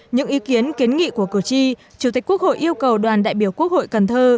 những ý kiến kiến nghị của cử tri chủ tịch quốc hội yêu cầu đoàn đại biểu quốc hội cần thơ